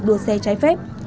đua xe trái phép